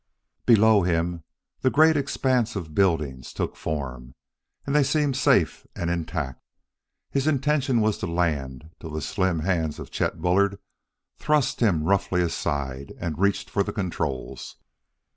Below him the great expanse of buildings took form, and they seemed safe and intact. His intention was to land, till the slim hands of Chet Bullard thrust him roughly aside and reached for the controls.